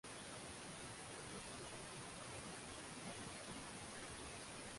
kuwa tu na kituo kimoja cha kufuatilia au vituo vichache